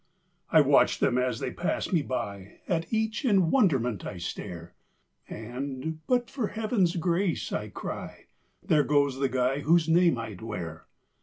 I watch them as they pass me by; At each in wonderment I stare, And, "but for heaven's grace," I cry, "There goes the guy whose name I'd wear!"